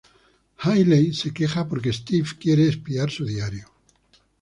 Hayley se queja porque Steve quiere espiar su diario.